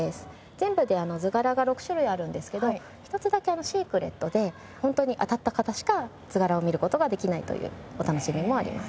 全部で図柄が６種類あるんですけど１つだけシークレットで本当に当たった方しか図柄を見る事ができないというお楽しみもあります。